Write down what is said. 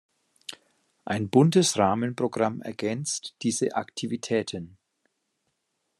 Ein buntes Rahmenprogramm ergänzt diese Aktivitäten.